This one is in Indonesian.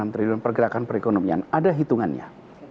enam triliun pergerakan perekonomian ada hitungannya